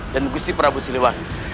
dan gusti prabu siliwangi